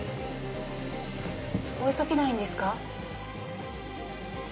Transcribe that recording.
追いかけないんですか？